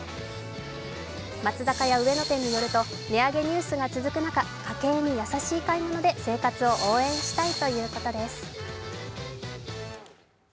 松坂屋上野店によると値上げニュースが続く中家計に優しい買い物で生活を応援したいということです。